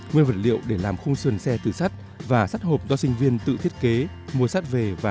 nguyên vật liệu để làm khung sườn xe tử sắt và sắt hộp do sinh viên tự thiết kế mua sát về và